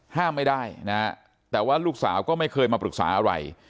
ห้ามไม่ได้นะฮะแต่ว่าลูกสาวก็ไม่เคยมาปรึกษาอะไร